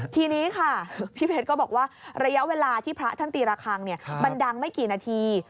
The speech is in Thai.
ทีนี้ค่ะพี่เพชรก็บอกว่าระยะเวลาที่พระท่านตีระคังมันดังไม่กี่นาที